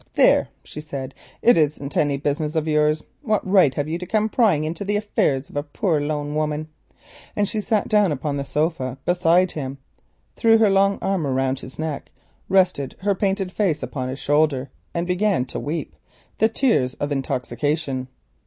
"There," she said, "it isn't any business of yours. What right have you to come prying into the affairs of a poor lone woman?" And she sat down upon the sofa beside him, threw her long arm round him, rested her painted face upon his shoulder and began to weep the tears of intoxication.